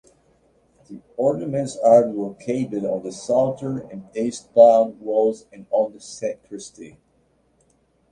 The ornaments are located on the southern and eastbound walls and on the sacristy.